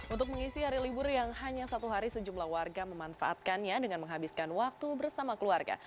untuk mengisi hari libur yang hanya satu hari sejumlah warga memanfaatkannya dengan menghabiskan waktu bersama keluarga